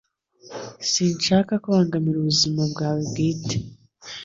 Sinshaka kubangamira ubuzima bwawe bwite